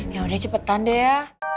yaudah cepetan deh ya